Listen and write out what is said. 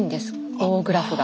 棒グラフが。